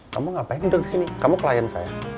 kamu ngapain duduk di sini kamu klien saya